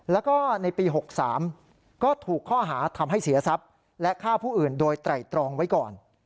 แล้วก็ในปี๖๓ก็ถูกข้อหาทำให้เสียทรัพย์และฆ่าผู้อื่นโดยไตรตรองไว้ก่อน